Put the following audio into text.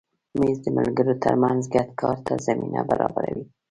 مېز د ملګرو تر منځ ګډ کار ته زمینه برابروي.